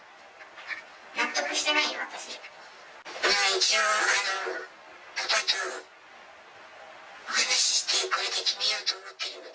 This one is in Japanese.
納得してないよ、一応、パパとお話しして、これで決めようと思っているので。